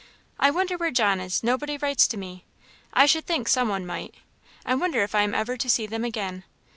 I wonder where John is nobody writes to me; I should think some one might; I wonder if I am ever to see them again.